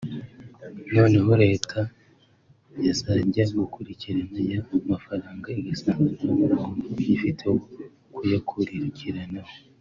noneho leta yazajya gukurikirana ya mafaranga igasanga nta n’umuntu igifite wo kuyakurikiranaho